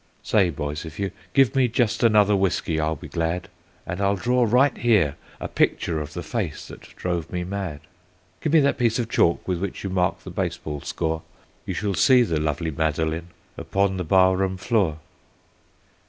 "Say, boys, if you give me just another whiskey I'll be glad, And I'll draw right here a picture of the face that drove me mad. Give me that piece of chalk with which you mark the baseball score You shall see the lovely Madeline upon the barroon floor."